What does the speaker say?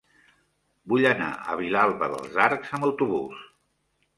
Vull anar a Vilalba dels Arcs amb autobús.